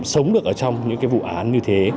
sống được trong những vụ án như thế